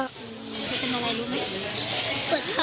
รักค่ะ